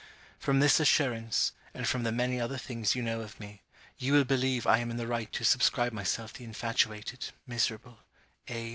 From this assurance, and from the many other things you know of me, you will believe I am in the right to subscribe myself the infatuated, miserable, A.